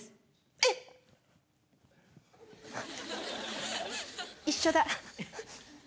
えっ！？一緒だ。